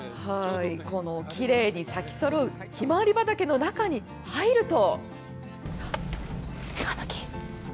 きれいに咲きそろうひまわり畑の中に入ると。